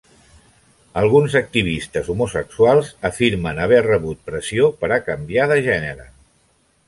Alguns activistes homosexuals afirmen haver rebut pressió per a canviar de gènere.